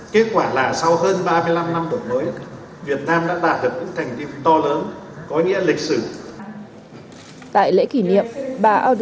kết quả là sau hơn ba mươi năm năm đổi mới việt nam đã đạt được một thành viên to lớn có nghĩa lịch sử